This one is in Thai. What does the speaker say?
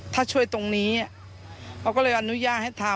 ถ้าช่วยตรงนี้เราก็เลยอนุญาตให้ทำ